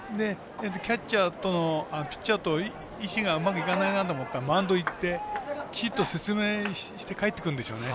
キャッチャーとのピッチャーと意思がうまくいかないなと思ったらマウンド行ってきちっと説明して帰ってくるんですよね。